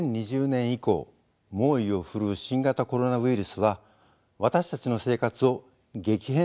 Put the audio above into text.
２０２０年以降猛威を振るう新型コロナウイルスは私たちの生活を激変させました。